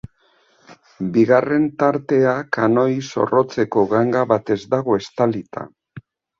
Bigarren tartea kanoi zorrotzeko ganga batez dago estalita.